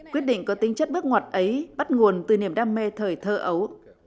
quyết định có tính chất bước ngoặt ấy bắt nguồn từ niềm đam mê thời thơ ấu